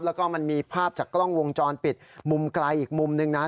แล้วก็มันมีภาพจากกล้องวงจรปิดมุมไกลอีกมุมหนึ่งนะ